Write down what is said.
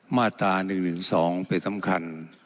มาตราหนึ่งหนึ่งสองเป็นสำคัญ